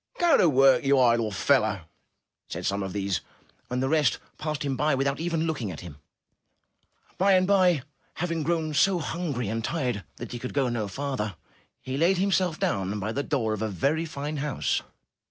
''Go to work, you idle fellow,'* said some of these; and the rest passed him by without even looking at him. By and by, having grown so hungry and tired that he could go no farther, he laid himself down by the door of a very fine house.